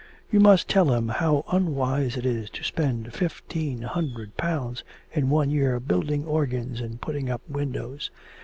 You must tell him how unwise it is to spend fifteen hundred pounds in one year building organs and putting up windows.